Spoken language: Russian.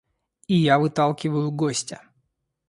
И я выталкиваю гостя.